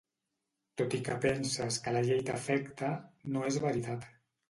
Tot i que penses que la llei t'afecta, no és veritat.